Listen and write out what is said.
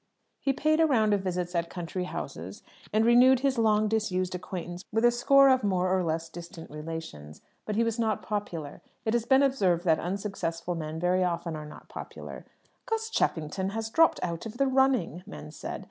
He paid a round of visits at country houses, and renewed his long disused acquaintance with a score of more or less distant relations. But he was not popular. It has been observed that unsuccessful men very often are not popular. "Gus Cheffington has dropped out of the running," men said.